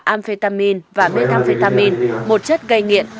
amphetamine và methamphetamine một chất gây nghiện